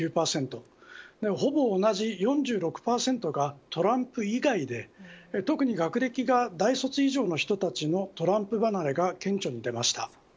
ほぼ同じ４６％がトランプ以外で、特に学歴が大卒以上の人たちのトランプ離れが顕著に出ました。